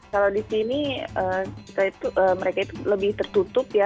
kalau di sini mereka itu lebih tertutup ya